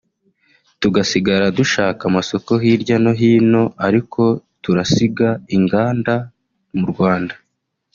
tugasigara dushaka amasoko hirya no hino ariko turasiga inganda mu Rwanda